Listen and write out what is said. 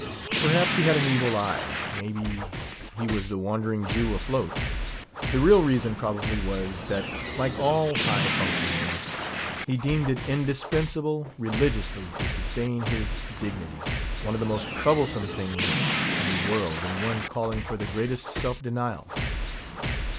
Perhaps he had an evil eye; may be he was the Wandering Jew afloat. The real reason probably was, that like all high functionaries, he deemed it indispensable religiously to sustain his dignity; one of the most troublesome things in the world, and one calling for the greatest self denial.